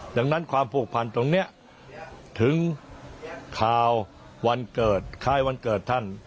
ดังนั้นความผูกพันตรงนี้ถึงข่าววันเกิดคล้ายวันเกิดท่าน